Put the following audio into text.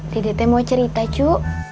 dedeknya mau cerita cu